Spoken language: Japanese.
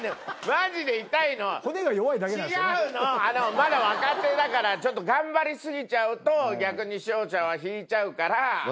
まだ若手だからちょっと頑張り過ぎちゃうと逆に視聴者は引いちゃうから。